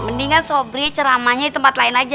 mendingan sobri ceramahnya di tempat lain aja